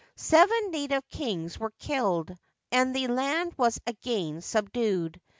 Seven native kings were killed, and the land was again subdued.